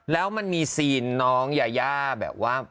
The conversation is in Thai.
แล้วมันมีซีนน้องยายาแบบว่า